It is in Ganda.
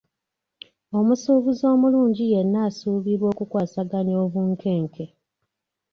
Omusuubuzi omulungi yenna asuubirwa okukwasaganya obunkenke.